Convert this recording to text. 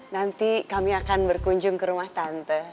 nanti kami akan berkunjung ke rumah tante